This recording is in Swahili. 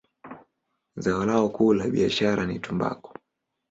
Zao lao kuu la biashara ni tumbaku.